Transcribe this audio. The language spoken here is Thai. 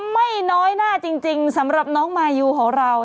ไม่น้อยหน้าจริงสำหรับน้องมายูของเรา